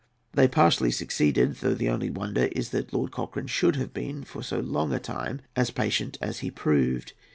They partly succeeded, though the only wonder is that Lord Cochrane should have been, for so long a time, as patient as he proved.